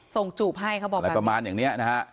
จูบให้เขาบอกอะไรประมาณอย่างนี้นะฮะ